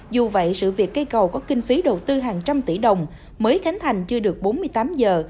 dù vậy sự việc cây cầu có kinh phí đầu tư hàng trăm tỷ đồng mới khánh thành chưa được bốn mươi tám giờ